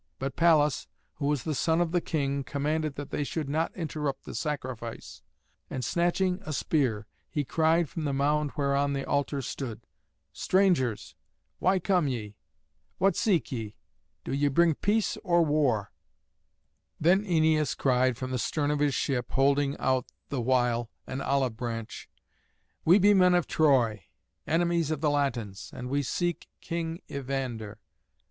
But Pallas, who was the son of the king, commanded that they should not interrupt the sacrifice, and, snatching a spear, he cried from the mound whereon the altar stood: "Strangers, why come ye? what seek ye? Do ye bring peace or war?" Then Æneas cried from the stern of his ship, holding out the while an olive branch: "We be men of Troy, enemies of the Latins, and we seek King Evander.